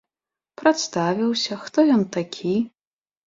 Прадставіўся, хто ён такі.